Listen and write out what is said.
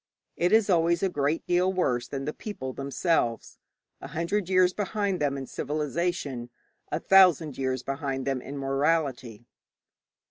It is always a great deal worse than the people themselves a hundred years behind them in civilization, a thousand years behind them in morality.